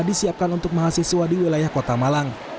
disiapkan untuk mahasiswa di wilayah kota malang